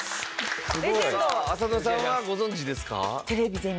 さあ浅野さんはご存じですか？